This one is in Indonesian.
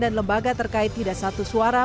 dan lembaga terkait tidak satu suara